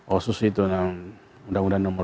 otsus itu yang undang undang nomor dua puluh satu